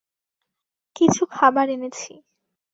কিছু খাবার এনেছি!